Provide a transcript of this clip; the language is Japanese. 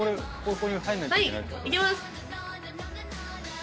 はいいきます。